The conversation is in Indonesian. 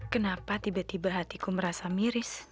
kenapa tiba tiba hatiku merasa miris